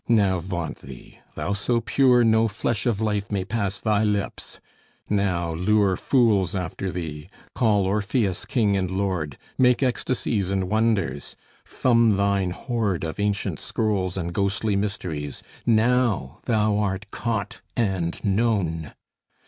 Now vaunt thee; thou so pure, No flesh of life may pass thy lips! Now lure Fools after thee; call Orpheus King and Lord; Make ecstasies and wonders! Thumb thine hoard Of ancient scrolls and ghostly mysteries Now thou art caught and known!